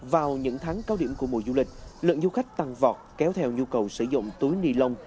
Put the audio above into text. vào những tháng cao điểm của mùa du lịch lượng du khách tăng vọt kéo theo nhu cầu sử dụng túi ni lông